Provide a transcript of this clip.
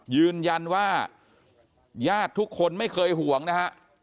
ยืนยันว่าญาติทุกคนไม่เคยห่วงนะฮะ